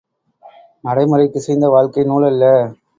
நடைமுறைக்கிசைந்த வாழ்க்கை நூலல்ல!